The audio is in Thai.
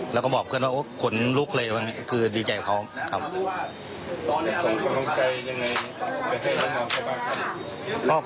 แล้วก็บอกเพื่อนว่าขนลูกเลยคือดีใจของเขาครับ